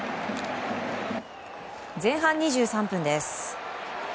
前半２３分です。